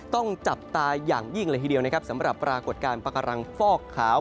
ต้องจับตาอย่างยิ่งเลยทีเดียวนะครับสำหรับปรากฏการณ์ปากการังฟอกขาว